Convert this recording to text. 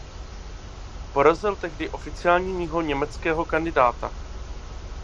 Porazil tehdy oficiálního německého kandidáta.